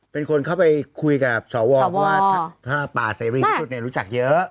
เป็นคนเข้าไปคุยกับสวววว่าถ้าป่าเศรษฐีที่สุดเนี่ยรู้จักเยอะ